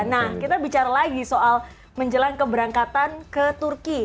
nah kita bicara lagi soal menjelang keberangkatan ke turki